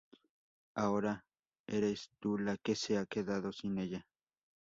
Ahora eres tú la que se ha quedado sin ella.